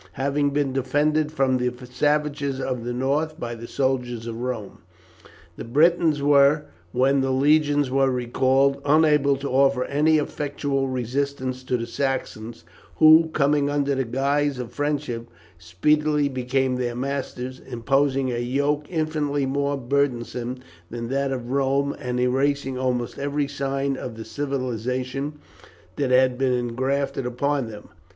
Having been defended from the savages of the north by the soldiers of Rome, the Britons were, when the legions were recalled, unable to offer any effectual resistance to the Saxons, who, coming under the guise of friendship, speedily became their masters, imposing a yoke infinitely more burdensome than that of Rome, and erasing almost every sign of the civilization that had been engrafted upon them.